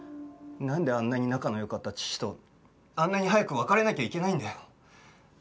なんであんなに仲の良かった父とあんなに早く別れなきゃいけないんだよ。